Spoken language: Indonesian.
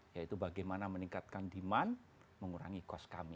yaitu bagaimana meningkatkan demand mengurangi cost kami